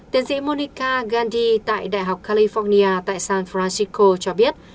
tiến sĩ monica gandhi tại đại học california tại san francisco cho biết